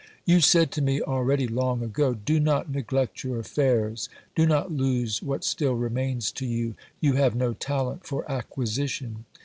You said to me, already long ago :" Do not neglect your affairs, do not lose what still remains to you ; you have no talent for acquisition."